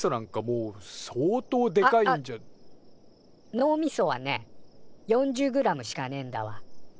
脳みそはね４０グラムしかねえんだわ。